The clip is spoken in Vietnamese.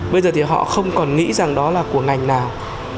bây giờ thì họ không còn nghĩ rằng đó là của ngành nào